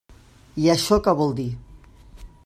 I això què vol dir?